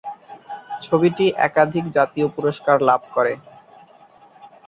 ছবিটি একাধিক জাতীয় পুরস্কার লাভ করে।